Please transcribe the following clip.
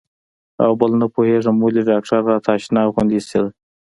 او بل نه پوهېږم ولې ډاکتر راته اشنا غوندې اېسېده.